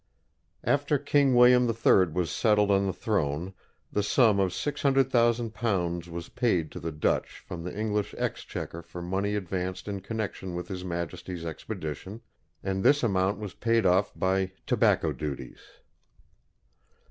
After King William III was settled on the throne the sum of £600,000 was paid to the Dutch from the English exchequer for money advanced in connexion with his Majesty's expedition, and this amount was paid off by tobacco duties.